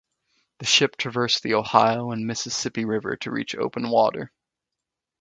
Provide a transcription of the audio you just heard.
The ship traversed the Ohio and Mississippi River to reach open water.